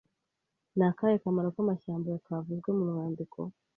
Ni akahe kamaro k’amashyamba kavuzwe mu mwandiko?